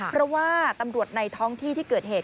เพราะว่าตำรวจในท้องที่ที่เกิดเหตุ